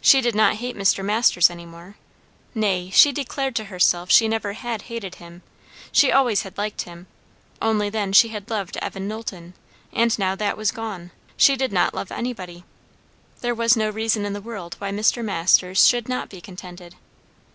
She did not hate Mr. Masters any more; nay, she declared to herself she never had hated him; she always had liked him; only then she had loved Evan Knowlton, and now that was gone. She did not love anybody. There was no reason in the world why Mr. Masters should not be contented.